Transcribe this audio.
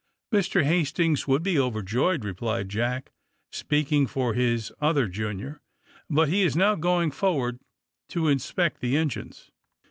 ^*Mr. Hastings would be overjoyed," replied Jack, speaking for his other junior, ^^but he is now going forward to inspect the engines."